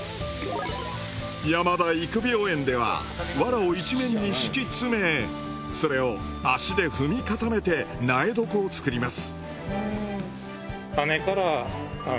山田育苗園では藁を一面に敷き詰めそれを足で踏み固めて苗床を作ります。